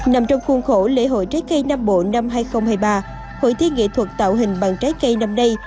nằm trong khuôn khổ lễ hội trái cây nam bộ năm hai nghìn hai mươi ba hội thi nghệ thuật tạo hình bằng trái cây năm nay